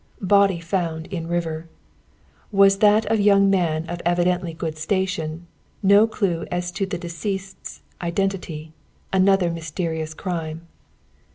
"BODY FOUND IN RIVER" "Was That of a Young Man of Evidently Good Station No Clue as to the Deceased's Identity Another Mysterious Crime."